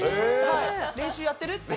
練習やってる？って。